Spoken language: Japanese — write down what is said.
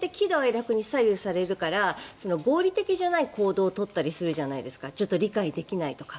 楽に左右されるから合理的な行動を取ったりする時もあるじゃないですかちょっと理解できないとか。